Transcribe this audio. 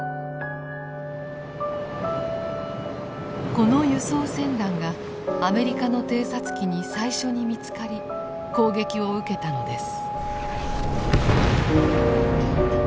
この輸送船団がアメリカの偵察機に最初に見つかり攻撃を受けたのです。